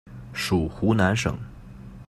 属湖南省。